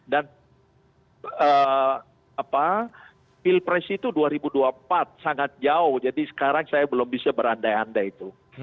dan pil presi itu dua ribu dua puluh empat sangat jauh jadi sekarang saya belum bisa berandai andai itu